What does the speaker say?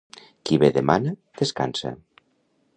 Qui bé demana, descansa.